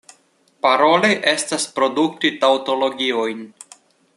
Paroli estas produkti taŭtologiojn.